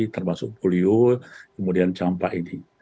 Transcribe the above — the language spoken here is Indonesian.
termasuk polio kemudian campak ini